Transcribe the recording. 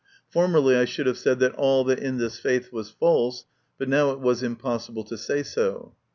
Formerly I should have said that all in this faith was false, but now it was impossible to say so.